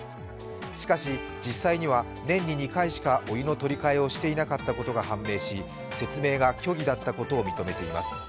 しかし、実際には年に２回しかお湯の取り替えをしていなかったことが判明し説明が虚偽だったことを認めています。